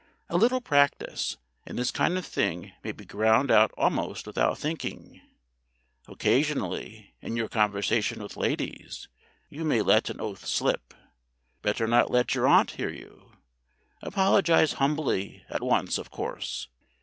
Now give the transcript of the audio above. A little practice, and this kind of thing may be ground out almost without thinking. Occasionally, in your conversation with ladies, you may let an oath slip. (Better not let your aunt hear you.) Apologise humbly at once, of course.